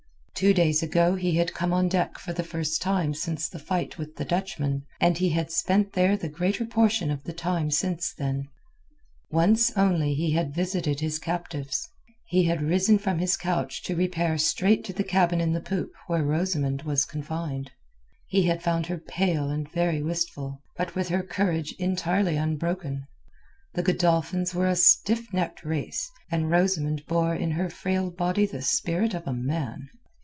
Two days ago he had come on deck for the first time since the fight with the Dutchman, and he had spent there the greater portion of the time since then. Once only had he visited his captives. He had risen from his couch to repair straight to the cabin in the poop where Rosamund was confined. He had found her pale and very wistful, but with her courage entirely unbroken. The Godolphins were a stiff necked race, and Rosamund bore in her frail body the spirit of a man.